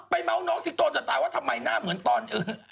ไปเม้าน้องสิโต้นแสดงว่าทำไมหน้าเหมือนตอน